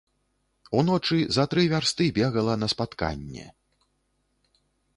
Уночы за тры вярсты бегала на спатканне.